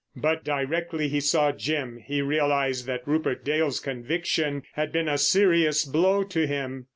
But directly he saw Jim he realised that Rupert Dale's conviction had been a serious blow to him.